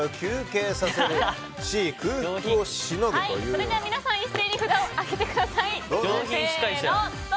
それでは皆さん一斉に札を上げてください。